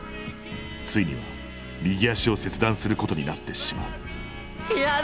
ついには右足を切断することになってしまう嫌だ！